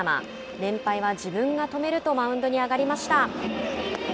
連敗は自分が止めるとマウンドに上がりました。